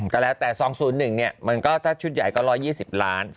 ก็แล้วแต่สองศูนย์หนึ่งเนี่ยมันก็ถ้าชุดใหญ่ก็ร้อยยี่สิบล้าน